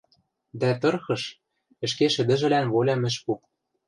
дӓ тырхыш, ӹшке шӹдӹжӹлӓн волям ӹш пу.